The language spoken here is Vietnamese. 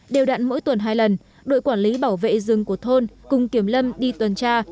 đều đặn mỗi tuần hai lần đội quản lý bảo vệ rừng của thôn cùng kiểm lâm đi tuần tra